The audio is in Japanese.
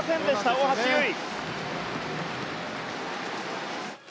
大橋悠依。